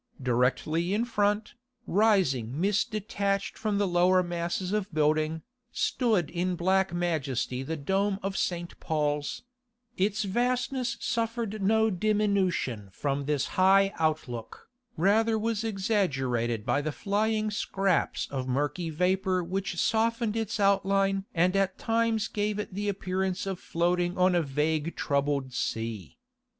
Directly in front, rising mist detached from the lower masses of building, stood in black majesty the dome of St. Paul's; its vastness suffered no diminution from this high outlook, rather was exaggerated by the flying scraps of murky vapour which softened its outline and at times gave it the appearance of floating on a vague troubled sea.